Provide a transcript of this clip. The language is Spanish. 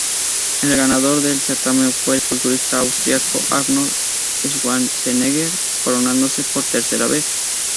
El ganador del certamen fue el culturista austriaco Arnold Schwarzenegger, coronándose por tercera vez.